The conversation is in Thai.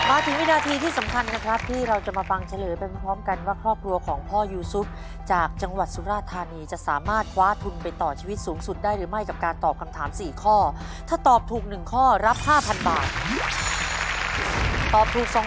อัลฟุติธรรมชาติภาคภาคภาคภาคภาคภาคภาคภาคภาคภาคภาคภาคภาคภาคภาคภาคภาคภาคภาคภาคภาคภาคภาคภาคภาคภาคภาคภาคภาคภาคภาคภาคภาคภาคภาคภาคภาคภาคภาคภาคภาคภาคภาคภาคภาคภาคภาคภาคภาคภาคภาค